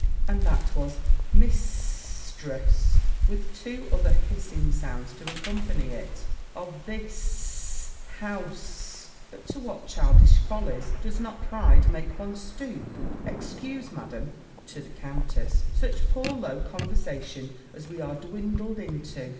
And that was mis s s tress, with two other hissing words to accompany it, of this s s hous s e: but to what childish follies does not pride make one stoop! Excuse, Madam" (to the countess), "such poor low conversation as we are dwindled into."